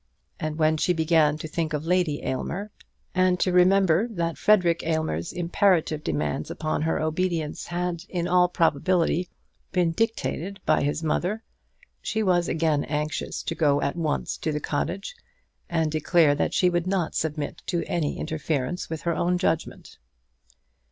And when she began to think of Lady Aylmer, and to remember that Frederic Aylmer's imperative demands upon her obedience had, in all probability, been dictated by his mother, she was again anxious to go at once to the cottage, and declare that she would not submit to any interference with her own judgment.